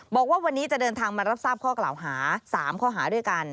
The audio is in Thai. บอกว่าวันนี้จะเดินทางมารับทราบข้อกล่าวหา๓ข้อหาด้วยกัน